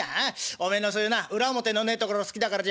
おめえのそういうな裏表のねえところ好きだからつきあってやろう。